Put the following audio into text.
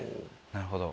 なるほど。